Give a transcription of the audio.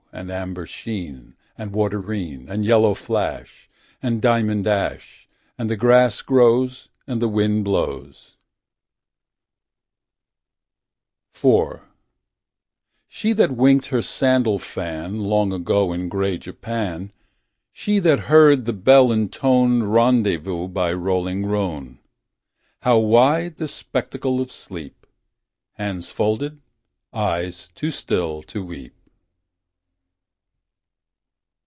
And amber sheen. And water green. And yellow flash. And diamond ash. And the grass grows. And the wind blows . IV. She that winked her sandal fan She that winked her sandal fan 14 Long ago in gray Japan She that heard the bell intone Rendezvous by rolling Rhone How wide the spectacle of sleep. Hands folded, eyes too still to weep!